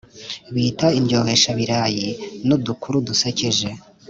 Bita "Indyohesha birayi nudukuru dusekeje